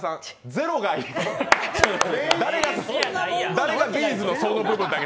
誰がＢ’ｚのその部分だけ。